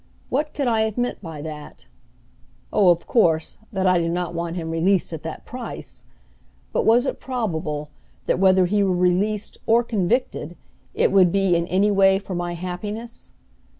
What could I have meant by that? Oh, of course, that I did not want him released at that price! But was it probable that whether he were released or convicted it would be in any way for my happiness?